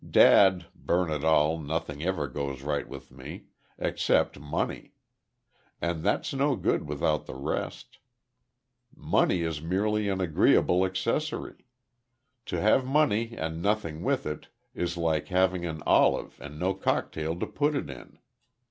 Dad burn it all, nothing ever goes right with me except money; and that's no good without the rest. Money is merely an agreeable accessory. To have money and nothing with it is like having an olive and no cocktail to put it in.